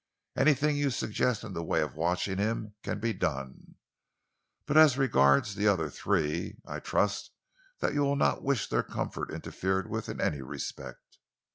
Anything you suggest in the way of watching him can be done. But as regards the other three, I trust that you will not wish their comfort interfered with in any respect."